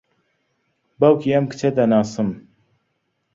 باوکی ئەم کچە دەناسم.